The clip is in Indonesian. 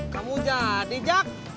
kamu jadi jak